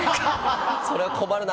それは困るな。